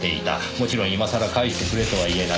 もちろん今さら返してくれとは言えない。